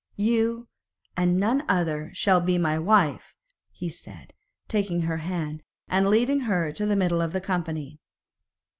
'You and none other shall be my wife,' he said, taking her hand, and leading her into the middle of the company.